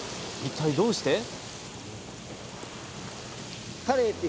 一体どうして？